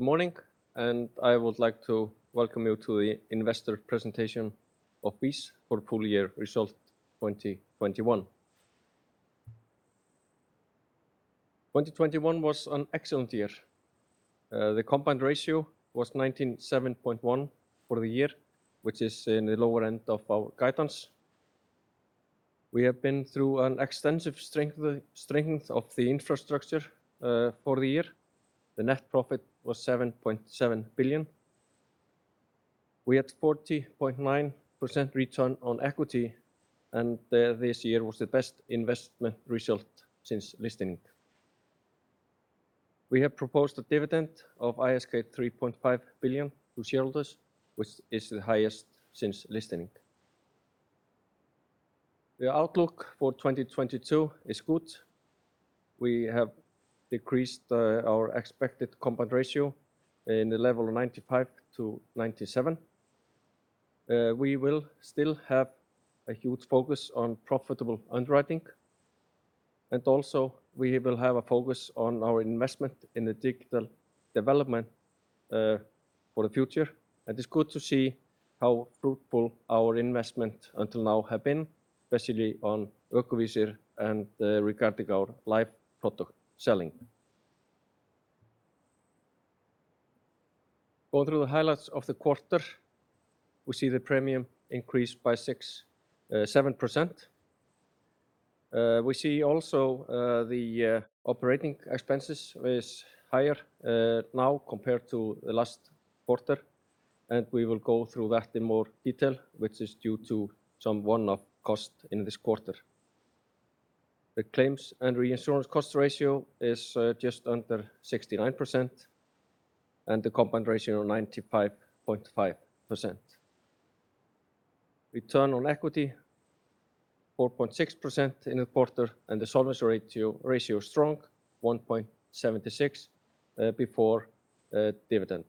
Good morning, I would like to welcome you to the investor presentation of VÍS for full year result 2021. 2021 was an excellent year. The combined ratio was 97.1 for the year, which is in the lower end of our guidance. We have been through an extensive strengthening of the infrastructure for the year. The net profit was 7.7 billion. We had 40.9% return on equity, and this year was the best investment result since listing. We have proposed a dividend of ISK 3.5 billion to shareholders, which is the highest since listing. The outlook for 2022 is good. We have decreased our expected combined ratio in the level of 95%-97%. We will still have a huge focus on profitable underwriting, and also we will have a focus on our investment in the digital development for the future. It's good to see how fruitful our investment until now have been, especially on Ökuvísir and regarding our live product selling. Going through the highlights of the quarter, we see the premium increased by 6%-7%. We see also the operating expenses is higher now compared to the last quarter, and we will go through that in more detail, which is due to some one-off cost in this quarter. The claims and reinsurance cost ratio is just under 69%, and the combined ratio 95.5%. Return on equity 4.6% in the quarter, and the solvency ratio is strong, 1.76 before dividend.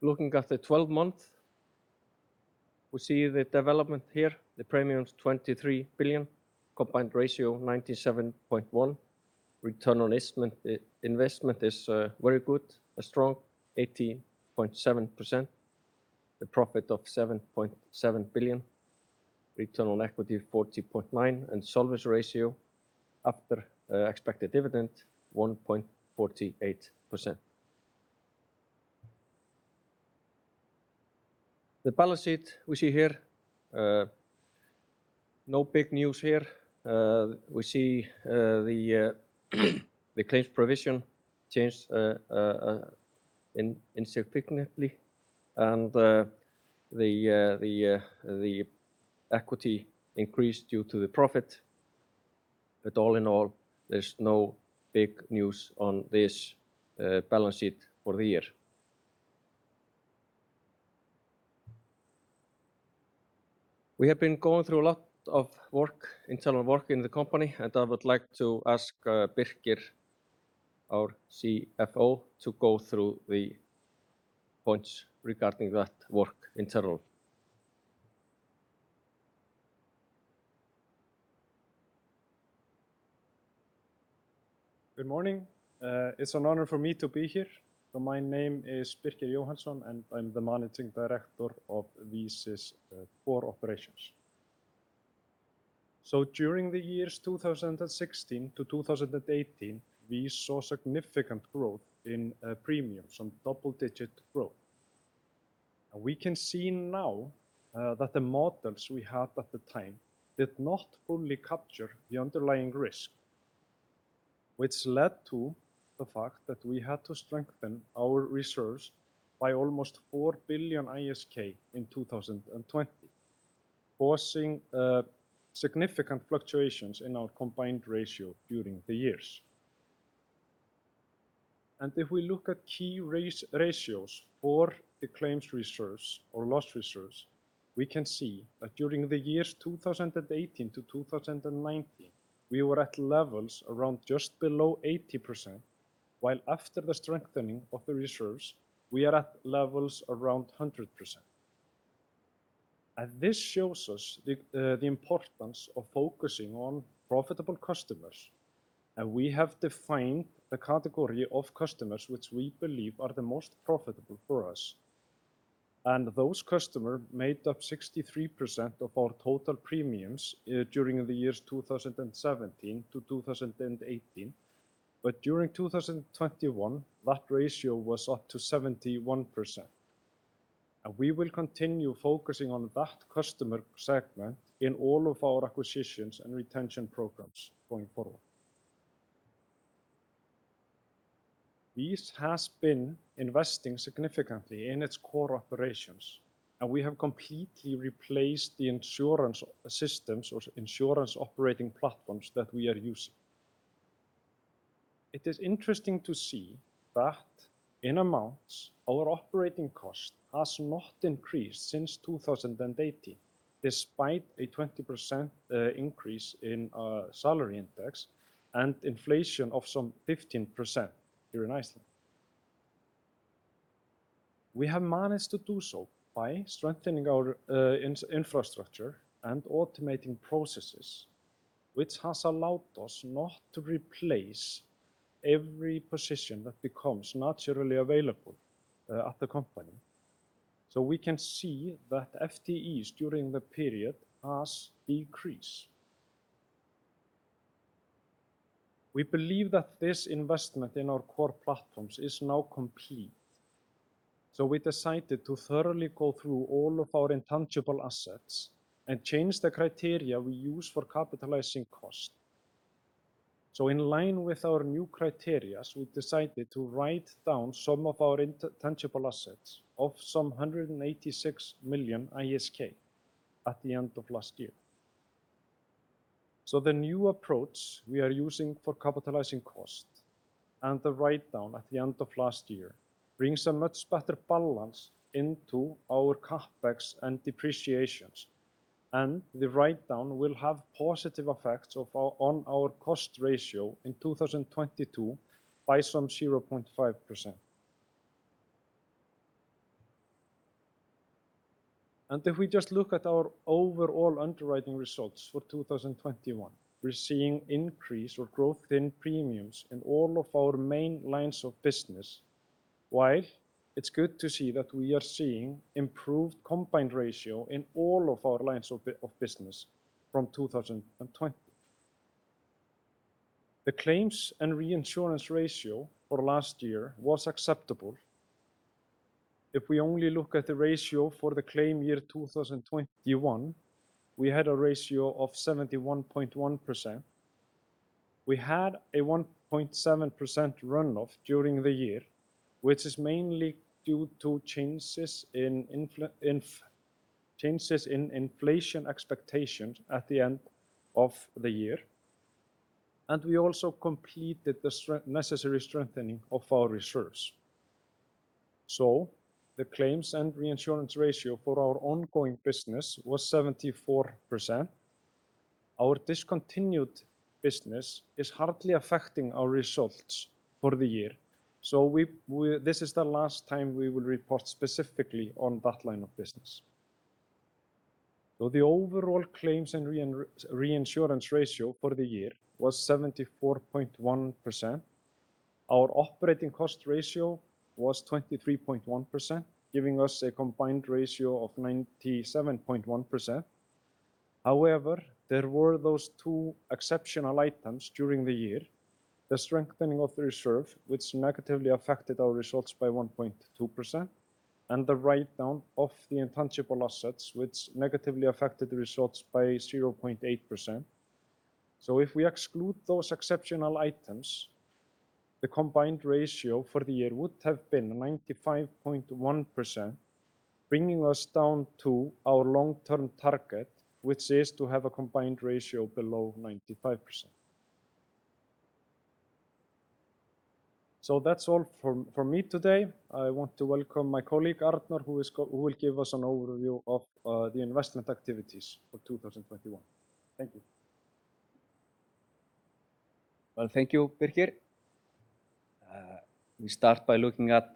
Looking at the 12-month, we see the development here, the premium's 23 billion, combined ratio 97.1. Return on investment is very good, a strong 80.7%. The profit of 7.7 billion, return on equity 40.9%, and solvency ratio after expected dividend 1.48%. The balance sheet we see here, no big news here. We see the claims provision changed insignificantly, and the equity increased due to the profit. All in all, there's no big news on this balance sheet for the year. We have been going through a lot of work, internal work in the company, and I would like to ask Birkir, our CFO, to go through the points regarding that internal work. Good morning. It's an honor for me to be here. My name is Birkir Jóhannsson, and I'm the Managing Director of VÍS's Core Operations. During the years 2016 to 2018, we saw significant growth in premiums, some double-digit growth. We can see now that the models we had at the time did not fully capture the underlying risk, which led to the fact that we had to strengthen our reserves by almost 4 billion ISK in 2020, causing significant fluctuations in our combined ratio during the years. If we look at key ratios for the claims reserves or loss reserves, we can see that during the years 2018 to 2019, we were at levels around just below 80%, while after the strengthening of the reserves, we are at levels around 100%. This shows us the importance of focusing on profitable customers. We have defined the category of customers which we believe are the most profitable for us. Those customers made up 63% of our total premiums during the years 2017 to 2018. During 2021, that ratio was up to 71%. We will continue focusing on that customer segment in all of our acquisitions and retention programs going forward. VÍS has been investing significantly in its core operations, and we have completely replaced the insurance systems or insurance operating platforms that we are using. It is interesting to see that in amounts our operating cost has not increased since 2018, despite a 20% increase in salary index and inflation of some 15% here in Iceland. We have managed to do so by strengthening our infrastructure and automating processes, which has allowed us not to replace every position that becomes naturally available at the company, so we can see that FTEs during the period has decreased. We believe that this investment in our core platforms is now complete, so we decided to thoroughly go through all of our intangible assets and change the criteria we use for capitalizing costs. In line with our new criteria, we decided to write down some of our intangible assets of 186 million ISK at the end of last year. The new approach we are using for capitalizing costs and the write-down at the end of last year brings a much better balance into our CapEx and depreciation, and the write-down will have positive effects on our cost ratio in 2022 by some 0.5%. If we just look at our overall underwriting results for 2021, we're seeing increase or growth in premiums in all of our main lines of business. While it's good to see that we are seeing improved combined ratio in all of our lines of business from 2020. The claims and reinsurance ratio for last year was acceptable. If we only look at the ratio for the claim year 2021, we had a ratio of 71.1%. We had a 1.7% runoff during the year, which is mainly due to changes in inflation expectations at the end of the year, and we also completed the necessary strengthening of our reserves. The claims and reinsurance ratio for our ongoing business was 74%. Our discontinued business is hardly affecting our results for the year, so we, this is the last time we will report specifically on that line of business. The overall claims and reinsurance ratio for the year was 74.1%. Our operating cost ratio was 23.1%, giving us a combined ratio of 97.1%. However, there were those two exceptional items during the year, the strengthening of the reserve, which negatively affected our results by 1.2%, and the write-down of the intangible assets, which negatively affected the results by 0.8%. If we exclude those exceptional items, the combined ratio for the year would have been 95.1%, bringing us down to our long-term target, which is to have a combined ratio below 95%. That's all from me today. I want to welcome my colleague, Arnór, who will give us an overview of the investment activities for 2021. Thank you. Well, thank you, Birkir. We start by looking at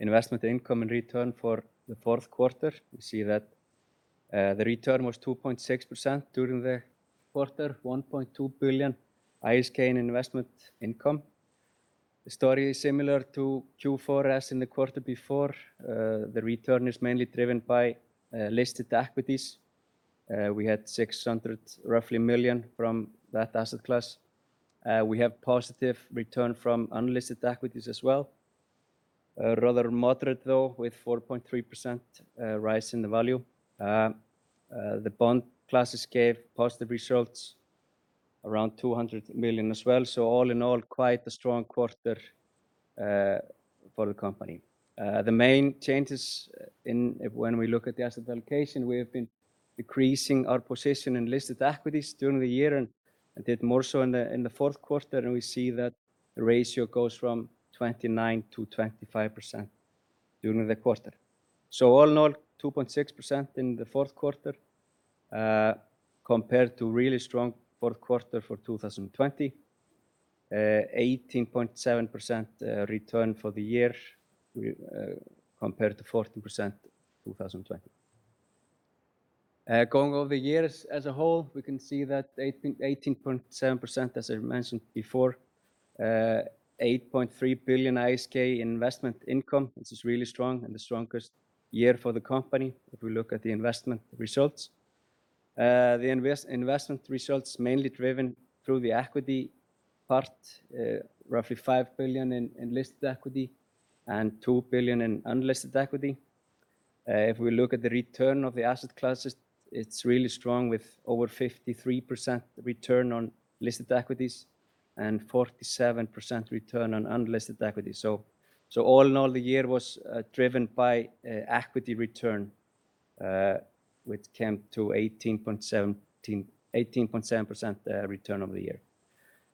investment income and return for the fourth quarter. We see that the return was 2.6% during the quarter, 1.2 billion ISK in investment income. The story is similar to Q4 as in the quarter before. The return is mainly driven by listed equities. We had roughly 600 million from that asset class. We have positive return from unlisted equities as well. Rather moderate though, with 4.3% rise in the value. The bond classes gave positive results, around 200 million as well. All in all, quite a strong quarter for the company. The main changes when we look at the asset allocation, we have been decreasing our position in listed equities during the year and did more so in the fourth quarter, and we see that the ratio goes from 29%-25% during the quarter. All in all, 2.6% in the fourth quarter compared to really strong fourth quarter for 2020. 18.7% return for the year compared to 14% 2020. Going over the years as a whole, we can see that 18.7%, as I mentioned before, 8.3 billion ISK in investment income, which is really strong and the strongest year for the company if we look at the investment results. The investment results mainly driven through the equity part, roughly 5 billion in listed equities and 2 billion in unlisted equities. If we look at the return of the asset classes, it's really strong with over 53% return on listed equities and 47% return on unlisted equities. All in all, the year was driven by equity return, which came to 18.7% return over the year.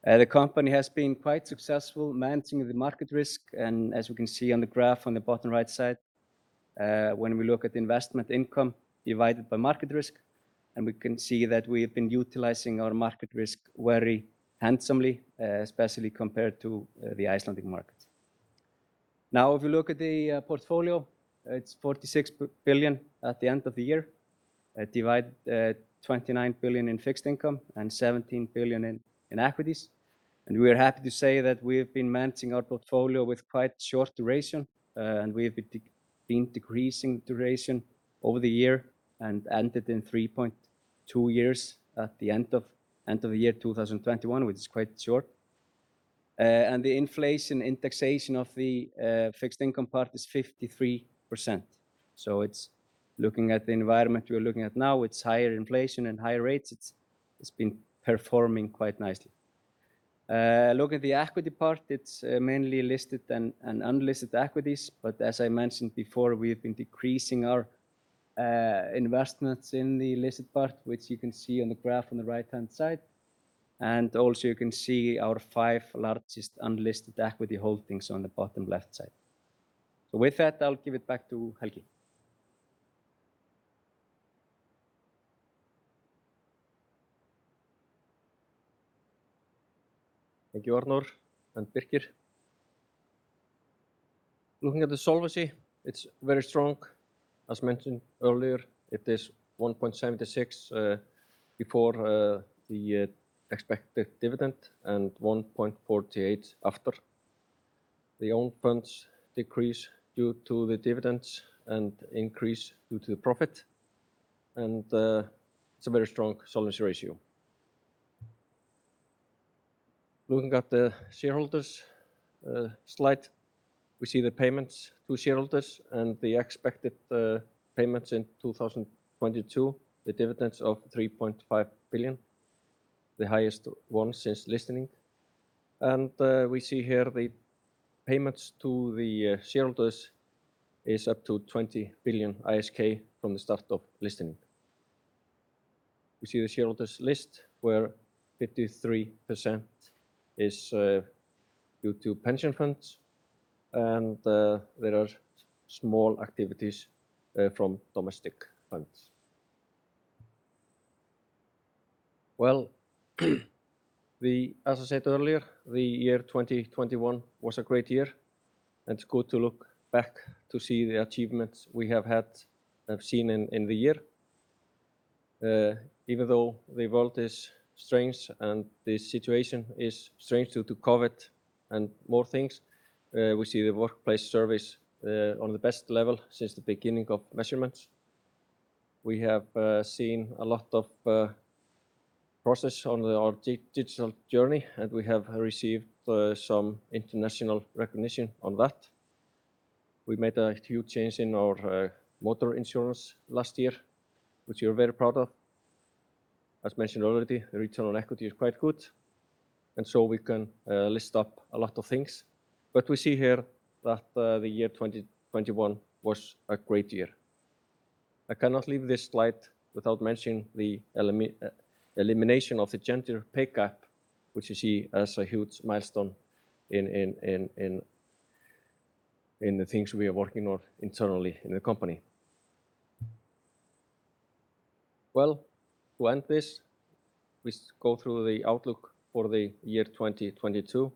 The company has been quite successful managing the market risk, and as we can see on the graph on the bottom right side, when we look at the investment income divided by market risk. We can see that we have been utilizing our market risk very handsomely, especially compared to the Icelandic market. Now, if you look at the portfolio, it's 46 billion at the end of the year. Divide 29 billion in fixed income and 17 billion in equities. We are happy to say that we have been managing our portfolio with quite short duration, and we have been decreasing duration over the year and ended in 3.2 years at the end of the year 2021, which is quite short. The inflation indexation of the fixed income part is 53%. It's looking at the environment we're looking at now, it's higher inflation and higher rates. It's been performing quite nicely. Look at the equity part, it's mainly listed and unlisted equities, but as I mentioned before, we've been decreasing our investments in the listed part, which you can see on the graph on the right-hand side. Also you can see our five largest unlisted equity holdings on the bottom left side. With that, I'll give it back to Helgi. Thank you, Arnór and Birkir. Looking at the solvency, it's very strong. As mentioned earlier, it is 1.76 before the expected dividend and 1.48 after. The own funds decrease due to the dividends and increase due to the profit, and it's a very strong solvency ratio. Looking at the shareholders slide, we see the payments to shareholders and the expected payments in 2022, the dividends of 3.5 billion, the highest one since listing. We see here the payments to the shareholders is up to 20 billion ISK from the start of listing. We see the shareholders list where 53% is due to pension funds and there are small activities from domestic funds. Well, the... As I said earlier, the year 2021 was a great year and it's good to look back to see the achievements we have had, seen in the year. Even though the world is strange and the situation is strange due to COVID and more things, we see the workplace survey on the best level since the beginning of measurements. We have seen a lot of progress on our digital journey, and we have received some international recognition on that. We made a huge change in our motor insurance last year, which we are very proud of. As mentioned already, the return on equity is quite good, and so we can list up a lot of things. We see here that the year 2021 was a great year. I cannot leave this slide without mentioning the elimination of the gender pay gap, which we see as a huge milestone in the things we are working on internally in the company. Well, to end this, we go through the outlook for the year 2022.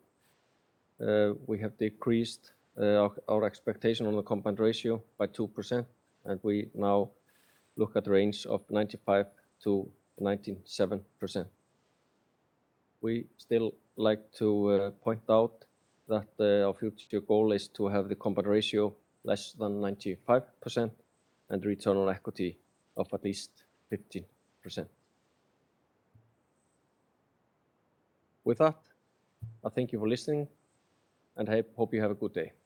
We have decreased our expectation on the combined ratio by 2%, and we now look at range of 95%-97%. We still like to point out that our future goal is to have the combined ratio less than 95% and return on equity of at least 15%. With that, I thank you for listening, and I hope you have a good day. Thank you.